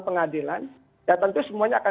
pengadilan ya tentu semuanya akan